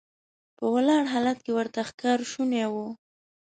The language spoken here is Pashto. په ولاړ حالت کې ورته ښکار شونی و.